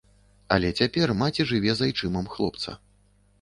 Але цяпер маці жыве з айчымам хлопца.